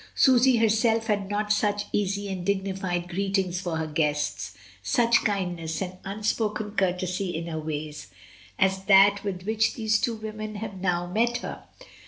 Susy herself had not such easy and dignified greetings for her guests, such kindness and unspoken courtesy in her ways, as that with which these two women now met her.